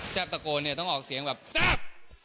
เซนตะโกนเตรนออกเสียงแบบ